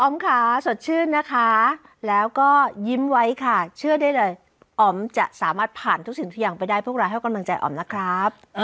ค่ะสดชื่นนะคะแล้วก็ยิ้มไว้ค่ะเชื่อได้เลยอ๋อมจะสามารถผ่านทุกสิ่งทุกอย่างไปได้พวกเราให้กำลังใจอ๋อมนะครับ